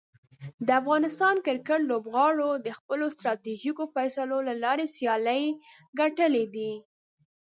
د افغانستان کرکټ لوبغاړو د خپلو ستراتیژیکو فیصلو له لارې سیالۍ ګټلي دي.